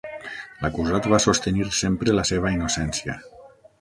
L'acusat va sostenir sempre la seva innocència.